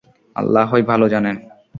আল্লাহই ভালো জানেন।